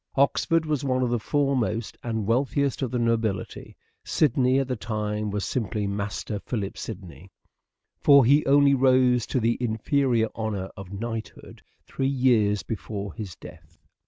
Oxford was one of the foremost and wealthiest of the nobility ; Sidney at the time was simply Master Philip Sidney : for he only rose to the inferior honour of knighthood three years before his death.